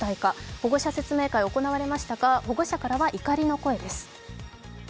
保護者説明会が行われましたが保護者からは怒りの声です。